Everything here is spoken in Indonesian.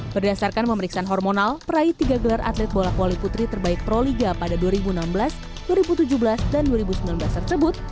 berdasarkan pemeriksaan hormonal peraih tiga gelar atlet bola voli putri terbaik proliga pada dua ribu enam belas dua ribu tujuh belas dan dua ribu sembilan belas tersebut